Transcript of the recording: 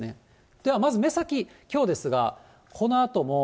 ではまず目先、きょうですが、このあとも。